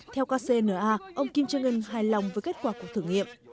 theo kcna ông kim trần ưn hài lòng với kết quả của thử nghiệm